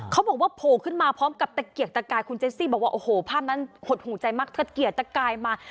เขาบอกว่าโผล่ขึ้นมาพร้อมกับตะเกียกตะกายคุณเจสซี่บอกว่าโอ้โหภาพนั้นหดหูใจมากเทิดเกียจตะกายมา